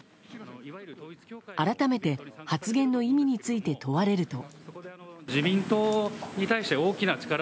改めて発言の意味について問われると。